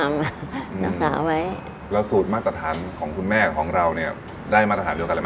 ไม่มีคนทำต่อ